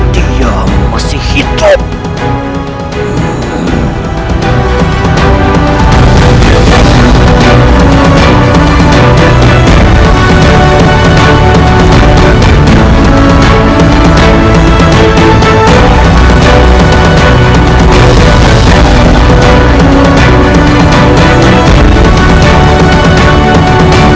dia masih hidup